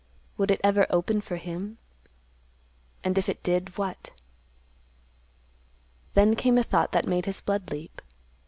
Would it ever open for him? And, if it did, what? Then came a thought that made his blood leap.